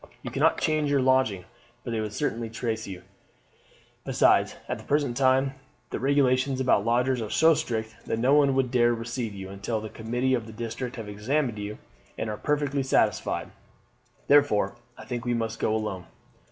You cannot change your lodging, for they would certainly trace you; besides, at the present time the regulations about lodgers are so strict that no one would dare receive you until the committee of the district have examined you and are perfectly satisfied. Therefore, I think we must go alone.